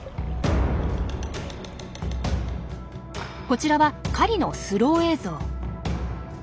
こちらは狩りのスロー映像。